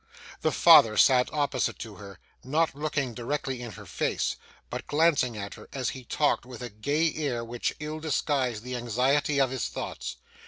The father sat opposite to her; not looking directly in her face, but glancing at her, as he talked with a gay air which ill disguised the anxiety of his thoughts.